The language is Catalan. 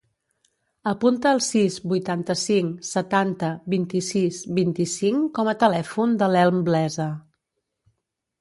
Apunta el sis, vuitanta-cinc, setanta, vint-i-sis, vint-i-cinc com a telèfon de l'Elm Blesa.